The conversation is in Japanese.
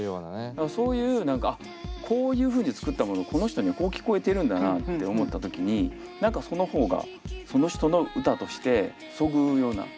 そういうこういうふうに作ったものをこの人にはこう聞こえてるんだなって思った時に何かその方がその人の歌としてそぐうような。